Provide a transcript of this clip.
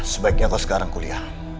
sebaiknya kau sekarang kuliah